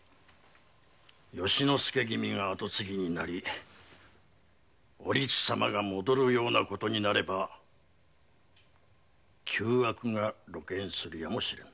由之助君が跡継ぎになりおりつ様が戻るような事になれば旧悪が露見するやもしれぬ。